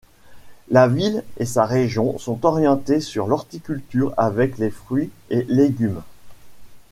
La ville et sa région sont orientées sur l'horticulture avec les fruits et légumes.